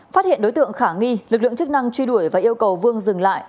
phát hiện đối tượng khả nghi lực lượng chức năng truy đuổi và yêu cầu vương dừng lại